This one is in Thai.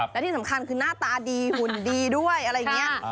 และที่สำคัญคือหน้าตาดีหุ่นดีด้วยอะไรอย่างนี้